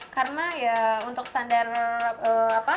karena ya untuk standar alat estetika sendiri dari sana sudah cukup bagus